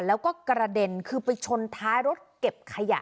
แล้วก็กระเด็นคือไปชนท้ายรถเก็บขยะ